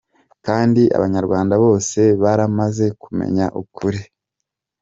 Kandi abanyarwanda bose baramaze kumenya ukuri.